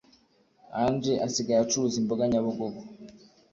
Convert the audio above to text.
Angel asigaye acuruza imboga nyabugogo